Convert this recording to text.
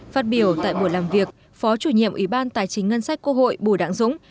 phát biểu tại buổi làm việc phó chủ nhiệm ủy ban tài chính ngân sách cô hội bù đảng dũng